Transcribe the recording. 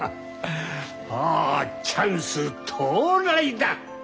ああチャンス到来だ！